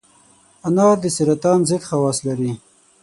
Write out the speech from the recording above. انار د سرطان ضد خواص لري.